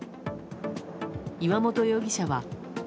岩本容疑者は。